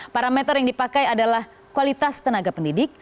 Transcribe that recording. parameter yang dipakai adalah kualitas tenaga pendidik